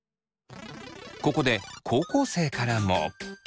ここで高校生からも。